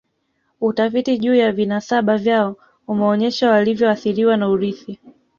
Utafiti juu ya vinasaba vyao umeonyesha walivyoathiriwa na urithi